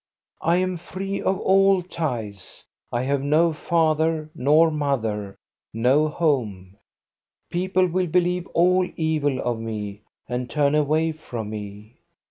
I am free of all ties. I have no father nor mother, no home. People will believe all evil of me and turn away from me.